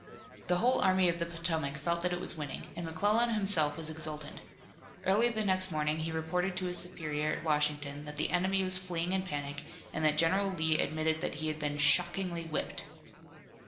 The whole Army of the Potomac felt that it was winning and McClellan himself was exultant. Early the next morning he reported to his superior at Washington that the enemy was fleeing in panic and that General Lee admitted that he had been "shockingly whipped."